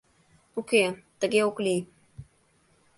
Уке, тыге ок лий!